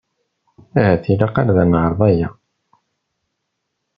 Ahat ilaq ad neɛreḍ aya.